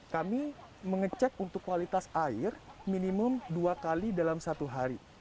kami mengecek untuk kualitas air minimum dua kali dalam satu hari